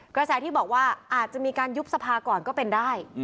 กระแสที่บอกว่าอาจจะมีการยุบสภาก่อนก็เป็นได้